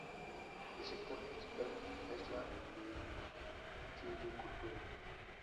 El sector principal es la silvicultura.